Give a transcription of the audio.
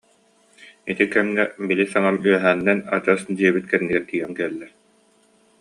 Ити кэмҥэ били саҥам үөһэнэн, адьас дьиэбит кэннигэр тиийэн кэллэ